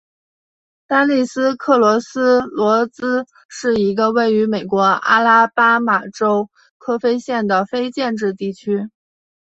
丹利斯克罗斯罗兹是一个位于美国阿拉巴马州科菲县的非建制地区。